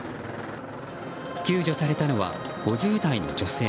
救助されたのは５０代の女性。